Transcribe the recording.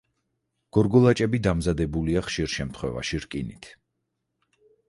გორგოლაჭები დამზადებულია ხშირ შემთხვევაში რკინით.